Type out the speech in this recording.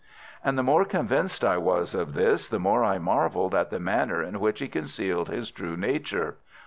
And the more convinced I was of this the more I marvelled at the manner in which he concealed his true nature.